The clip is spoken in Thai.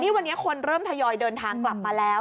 วันนี้คนเริ่มทยอยเดินทางกลับมาแล้ว